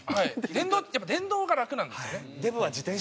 電動やっぱ電動が楽なんですね。